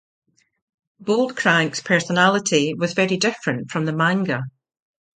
Bolt Crank's personality was very different from the manga.